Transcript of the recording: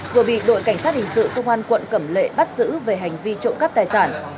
vừa bị đội cảnh sát hình sự công an quận cẩm lệ bắt giữ về hành vi trộm cắp tài sản